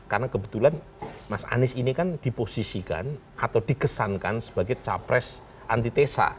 karena kebetulan mas anies ini kan diposisikan atau dikesankan sebagai capres antitesa